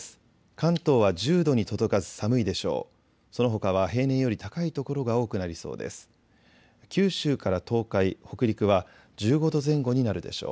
関東は１０度に届かず寒いでしょう。